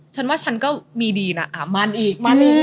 ฉันว่าฉันก็มีดีนะอ่ะมั่นอีก